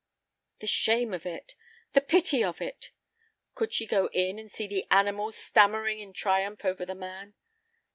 The shame of it, the pity of it! Could she go in and see the "animal" stammering in triumph over the "man"?